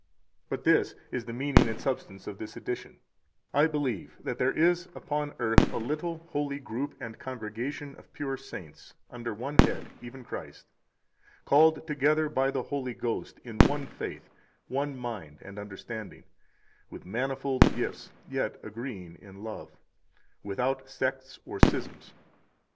51 But this is the meaning and substance of this addition: I believe that there is upon earth a little holy group and congregation of pure saints, under one head, even Christ, called together by the Holy Ghost in one faith, one mind, and understanding, with manifold gifts, yet agreeing in love, without sects or schisms.